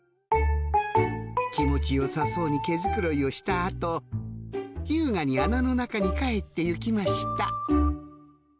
気持ちよさそうに毛繕いをした後優雅に穴の中に帰って行きました